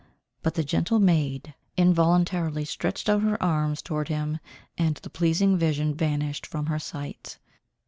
But the gentle maid involuntarily stretched out her arms towards him, and the pleasing vision vanished from her sight.